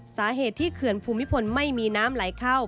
สาเหตุที่เขื่อนภูมิพลไม่มีน้ำไหลเข้า